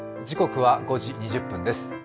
時刻は５時２０分です。